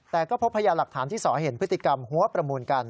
แต่ก็พบพยานหลักฐานที่สอเห็นพฤติกรรมหัวประมูลกัน